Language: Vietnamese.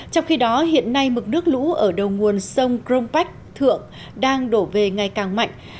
trong khi đó hiện nay mực nước lũ ở đầu nguồn sông crong bách thượng đang đổ về ngày càng mạnh